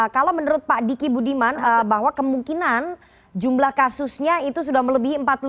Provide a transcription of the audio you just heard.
kalau menurut pak diki budiman bahwa kemungkinan jumlah kasusnya itu sudah melebihi empat puluh lima